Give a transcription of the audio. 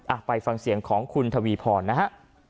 ไปฟังเสียงของคุณทวีพรนะฮะ